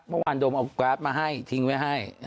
เมื่อวานโดมเอาการ์ดมาให้ทิ้งไว้ให้